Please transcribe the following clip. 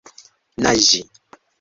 naĝi